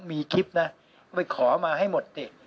มีคลิปนะไม่ขอมาให้หมดสิ